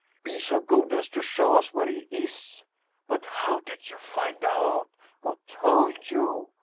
" Be so good as to show us where he is !"" But how did you find out? Who told you?